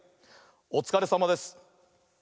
おつかれさまです。